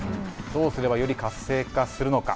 どうすればより活性化するのか。